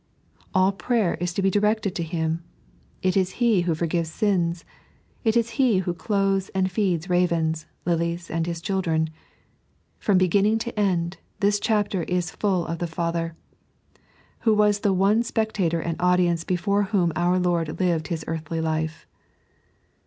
All prayer is to be directed to Him, It is He who forgives sins. It is He who clothes and feeds ravens, lilies, and His children. From beginning to end, this chapter is full of the Father, who was the One Spectator axii Audience before whom our Lord lived His earthly life.